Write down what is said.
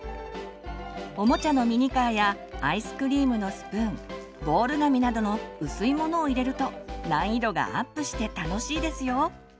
おもちゃのミニカーやアイスクリームのスプーンボール紙などの薄いものを入れると難易度がアップして楽しいですよ。